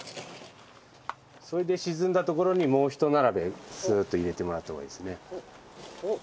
それで沈んだところにもうひと並べスーッと入れてもらった方がいいですね。